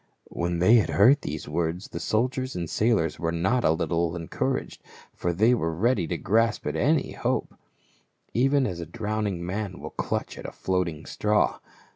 When they had heard these words the soldiers and sailors were not a little encouraged, for they were ready to grasp at any hope, even as a drowning man will clutch at a floating straw.